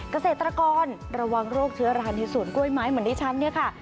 เกษตรกรระวังโรคเชื้อราในสวนกล้วยไม้เหมือนดิฉันเนี่ยค่ะ